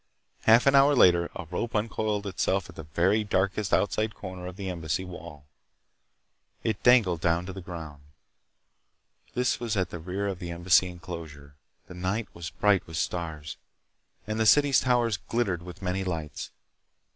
Half an hour later a rope uncoiled itself at the very darkest outside corner of the Embassy wall. It dangled down to the ground. This was at the rear of the Embassy enclosure. The night was bright with stars, and the city's towers glittered with many lights.